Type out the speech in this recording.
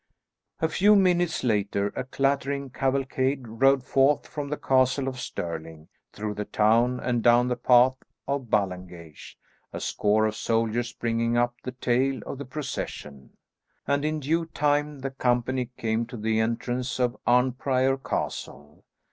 A few minutes later a clattering cavalcade rode forth from the Castle of Stirling, through the town and down the path of Ballengeich, a score of soldiers bringing up the tail of the procession; and in due time the company came to the entrance of Arnprior Castle.